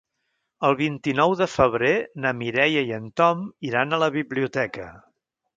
El vint-i-nou de febrer na Mireia i en Tom iran a la biblioteca.